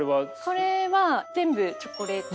これは全部チョコレート。